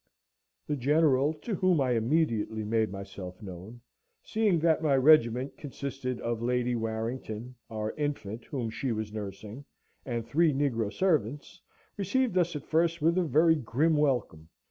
The General, to whom I immediately made myself known, seeing that my regiment consisted of Lady Warrington, our infant, whom she was nursing, and three negro servants, received us at first with a very grim welcome.